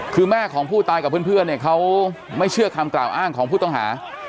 คือแม่ของผู้ตายกับเพื่อนเนี่ยเขาไม่เชื่อคำกล่าวอ้างของผู้ต้องหา